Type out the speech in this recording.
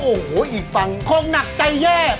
โอ้โหอีกฝั่งคงหนักใจแย่